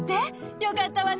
よかったわね。